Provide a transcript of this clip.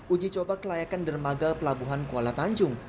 uji coba kelayakan dermaga pelabuhan kuala tanjung